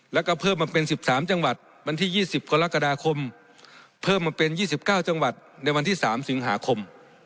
แล้วก็เพิ่มมาเป็น๑๓จังหวัดวันที่๒๐กรกฎาคมเพิ่มมาเป็น๒๙จังหวัดในวันที่๓สิงหาคม